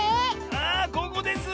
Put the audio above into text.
あここです！